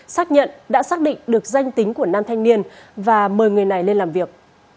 xác nhận đã xác định được danh tính của nam thanh niên và mời người này lên làm việc